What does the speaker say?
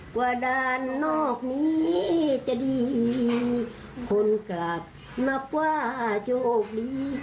ว่าด้านนอกนี้จะดีคนกลับมาว่าโชคดี